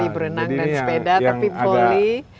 jadi ini yang agak